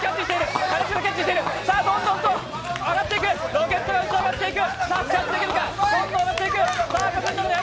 どんどんと上がっていく、ロケットが上がっていく。